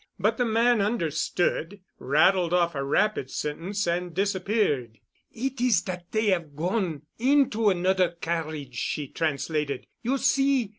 But the man understood, rattled off a rapid sentence and disappeared. "It is dat dey have gone into anoder carriage," she translated. "You see.